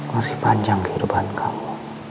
masih panjang kehidupan kamu